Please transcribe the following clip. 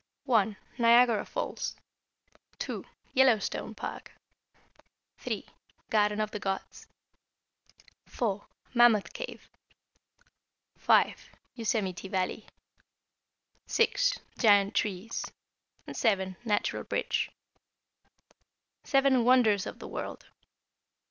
= (1) Niagara Falls, (2) Yellowstone Park, (3) Garden of the Gods, (4) Mammoth Cave, (5) Yosemite Valley, (6) Giant Trees, (7) Natural Bridge. =Seven Wonders of the World.